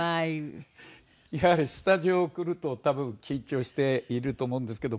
やはりスタジオ来ると多分緊張していると思うんですけど。